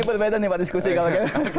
ini berbeda nih pak diskusi kalau kayaknya